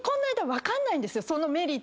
そのメリットは。